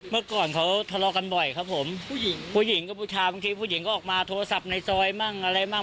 เมื่อก่อนเขาทะเลาะกันบ่อยครับผมผู้หญิงผู้หญิงกับผู้ชายบางทีผู้หญิงก็ออกมาโทรศัพท์ในซอยมั่งอะไรมั่ง